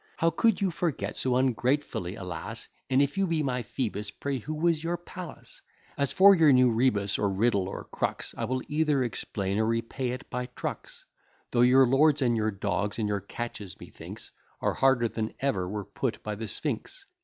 How could you forget so ungratefully a lass, And if you be my Phoebus, pray who was your Pallas? As for your new rebus, or riddle, or crux, I will either explain, or repay it by trucks; Though your lords, and your dogs, and your catches, methinks, Are harder than ever were put by the Sphinx.